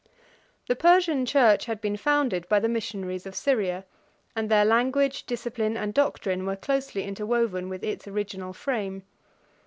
The Persian church had been founded by the missionaries of Syria; and their language, discipline, and doctrine, were closely interwoven with its original frame.